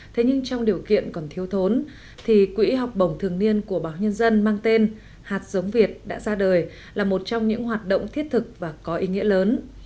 thế nhưng trong điều kiện còn thiếu thốn thì quỹ học bổng thường niên của báo nhân dân mang tên hạt giống việt đã ra đời là một trong những hoạt động thiết thực và có ý nghĩa lớn